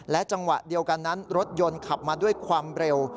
จังหวะเดียวกันนั้นรถยนต์ขับมาด้วยความเร็ว